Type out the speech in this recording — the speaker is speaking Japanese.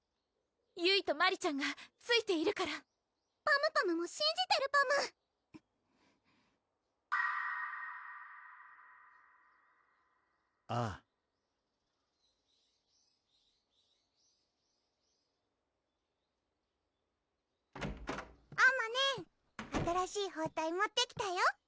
ゆいとマリちゃんがついているからパムパムもしんじてるパムあああまねん新しい包帯持ってきたよ